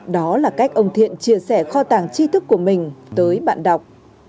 đó là cách ông thiện chia sẻ kho tàng chi thức của mình tới bạn đọc